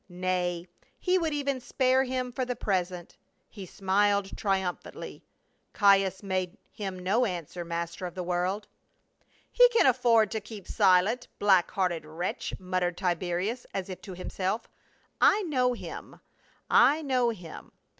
Nay, he would even spare him for the present. He smiled triumphantly. " Caius made him no answer, master of the world." " He can afford to keep silent, black hearted wretch," muttered Tiberius, as if to himself " I know him — I know him.